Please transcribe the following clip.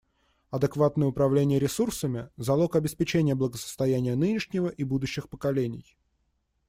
Адекватное управление ресурсами — залог обеспечения благосостояния нынешнего и будущих поколений.